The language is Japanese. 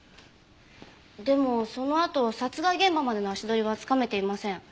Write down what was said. でもそのあと殺害現場までの足取りはつかめていません。